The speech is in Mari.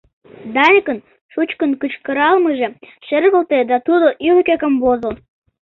Даникын шучкын кычкыралмыже шергылте да тудо ӱлыкӧ камвозо.